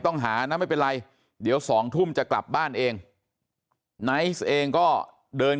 ต้องหานะไม่เป็นไรเดี๋ยว๒ทุ่มจะกลับบ้านเองไนท์เองก็เดิน